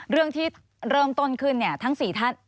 เรื่องที่เริ่มต้นขึ้นทั้ง๔ท่าน